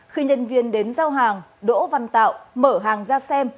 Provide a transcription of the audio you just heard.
khi nhân viên đến giao hàng đỗ văn tạo mở hàng ra xem